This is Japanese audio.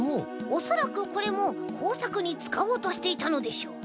おそらくこれもこうさくにつかおうとしていたのでしょう。